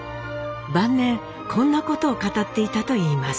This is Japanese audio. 晩年こんなことを語っていたといいます。